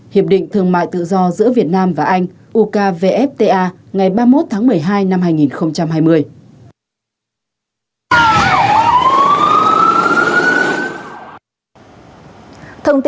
hiệp định thương mại tự do giữa việt nam và anh ukvfta ngày ba mươi một tháng một mươi hai